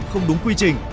không đúng quy trình